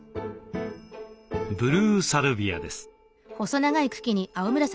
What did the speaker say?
ブルーサルビアです。